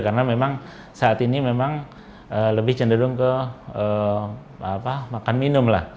karena memang saat ini memang lebih cenderung ke makan minum